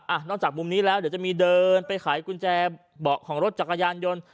นอกจากมุมนี้แล้วเดี๋ยวจะมีเดินไปขายกุญแจเบาะของรถจักรยานยนต์